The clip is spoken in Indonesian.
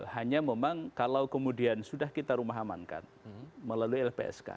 hanya memang kalau kemudian sudah kita rumahamankan melalui lpsk